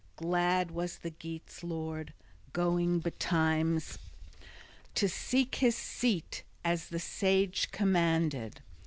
Glad was the Geats' lord, going betimes to seek his seat, as the Sage commanded.